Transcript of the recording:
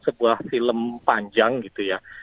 sebuah film panjang gitu ya